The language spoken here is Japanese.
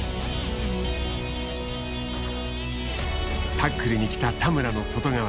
タックルに来た田村の外側